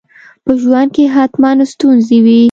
په ژوند کي حتماً ستونزي وي.